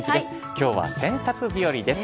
今日は洗濯日和です。